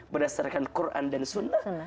berdasarkan quran dan sunnah